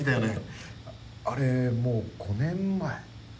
あれもう５年前？